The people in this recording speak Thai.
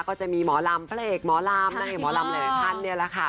ก็จะมีหมอรำเผลกหมอรำหมอรำแหล่งพันธุ์นี้แหละค่ะ